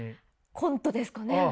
コントですかね？